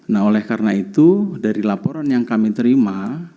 nah oleh karena itu dari laporan yang kami terima